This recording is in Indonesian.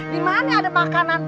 di mana ada makanan